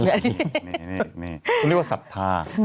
นี่เขาเรียกว่าศรัทธา